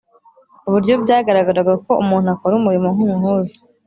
ku buryo byagaragara ko umuntu akora umurimo nk’umuhuza